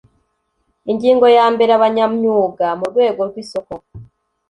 ingingo ya mbere abanyamyuga mu rwego rw isoko